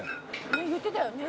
「ねえ言ってたよね？」